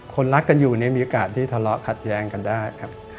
คนรักกันอยู่มีอากาศที่ทะเลาะขัดแยงกันได้ครับ